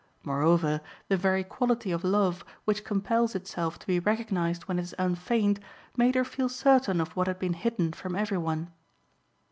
Moreover, the very quality of love, which compels itself to be recognised when it is unfeigned, made her feel certain of what had been hidden from every one.